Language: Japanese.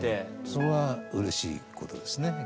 それはうれしいことですね。